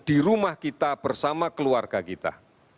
di rumah kita bersama keluarga kita